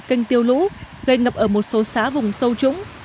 canh tiêu lũ gây ngập ở một số xã vùng sâu trúng